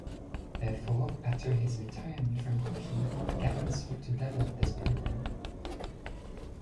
Therefore, after his retirement from hockey, Gavin sought to develop this program.